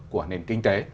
của nền kinh tế